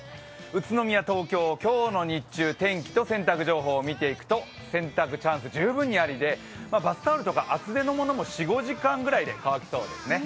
宇都宮、東京、今日の日中、天気と洗濯情報を見ていくと洗濯チャンス、十分にありでバスタオルとか厚手のものも４５時間で乾きそうですね。